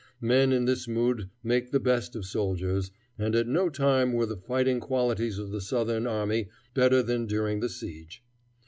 Men in this mood make the best of soldiers, and at no time were the fighting qualities of the Southern army better than during the siege.